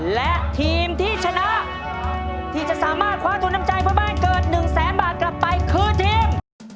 และทีมที่ชนะที่จะสามารถคว้าทุนน้ำใจเพื่อบ้านเกิด๑แสนบาทกลับไปคือทีม